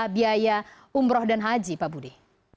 biaya umroh dan haji pak budi